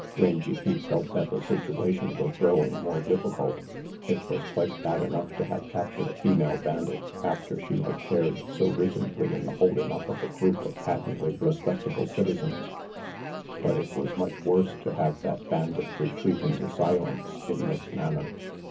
Rangy Pete felt that the situation was growing more difficult. It was quite bad enough to have captured a female bandit after she had shared so recently in the holding up of a group of patently respectable citizens, but it was much worse to have that bandit retreat into silence in this manner.